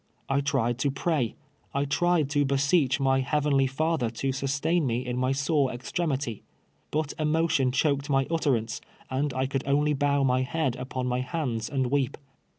I tried to pray — I tried to beseech my Heavenly Father to sustain me in my sore extremity, but emotion choked my utterance, and I could only bow my head upon my hands and weep.